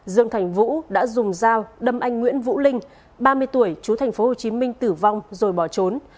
dương thành vũ đã dùng dao đâm anh nguyễn vũ linh ba mươi tuổi chú thành phố hồ chí minh tử vong rồi bỏ trốn